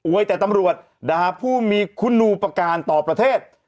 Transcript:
แต่ตำรวจด่าผู้มีคุณูประการต่อประเทศ